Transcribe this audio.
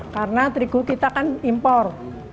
karena terigu kita kan impor